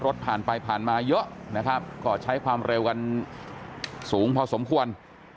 รถผ่านไปผ่านมาเยอะนะครับก็ใช้ความเร็วกันสูงพอสมควร